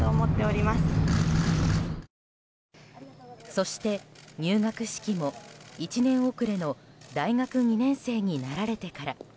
そして入学式も、１年遅れの大学２年生になられてから。